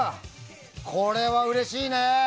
これはうれしいね。